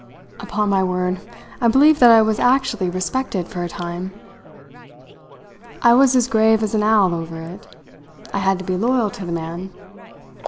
Upon my word, I believe that I was actually respected for a time. I was as grave as an owl over it; I had to be loyal to the man.